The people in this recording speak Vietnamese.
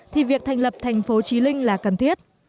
thì việc thành lập thành phố trí linh là cần thiết